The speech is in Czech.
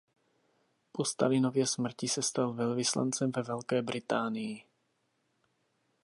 Po Stalinově smrti se stal velvyslancem ve Velké Británii.